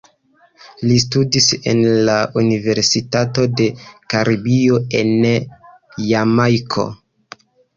Li studis en la Universitato de Karibio en Jamajko.